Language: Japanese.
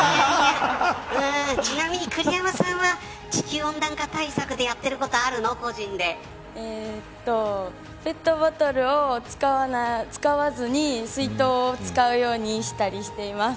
ちなみに栗山さんは地球温暖化対策でペットボトルを使わずに水筒を使うようにしたりしています。